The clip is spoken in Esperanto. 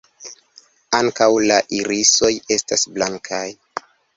Ankaŭ la irisoj estas blankaj.